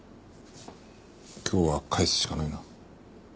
今日は帰すしかないな。